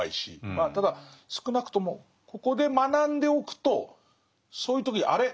まあただ少なくともここで学んでおくとそういう時にあれ？